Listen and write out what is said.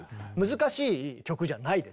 難しい曲じゃないですよね。